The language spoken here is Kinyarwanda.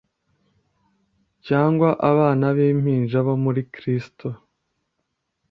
cyangwa abana b'impinja bo muri Kristo.